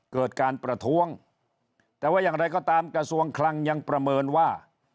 เกิดการประท้วงแต่ว่าอย่างไรก็ตามกระทรวงคลังยังประเมินว่า